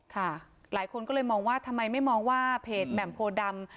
หลายคนก็เลยมองว่าทำไมไม่มองว่าเพจแหม่มโพดำ